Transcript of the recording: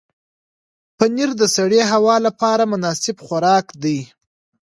پنېر د سړې هوا لپاره مناسب خوراک دی.